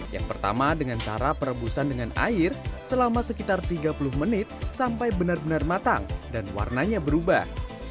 yang pertama dengan cara perebusan dengan air selama sekitar tiga puluh menit sampai benar benar matang dan warnanya berubah